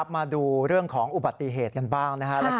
มาดูเรื่องของอุบัติเหตุกันบ้างนะครับ